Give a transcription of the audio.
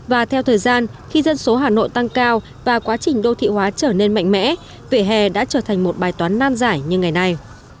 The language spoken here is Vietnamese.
và theo thời gian khi dân số hà nội tăng cao và quá trình đô thị hóa trở nên mạnh mẽ vệ hè đã trở thành một bài toán nan giải như ngày nay